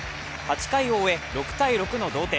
８回を終え、６−６の同点。